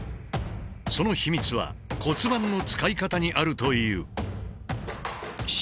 その秘密は骨盤の使い方にあるという。